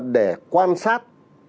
để quan sát